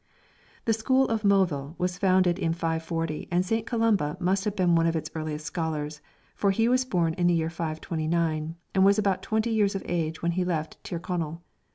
The school of Moville was founded in 540, and St. Columba must have been one of its earliest scholars, for he was born in the year 521, and was about twenty years of age when he left Tir Connell.